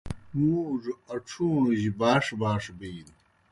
مُوڙوْ اڇُھوݨوْ جیْ باݜ باݜ بِینوْ۔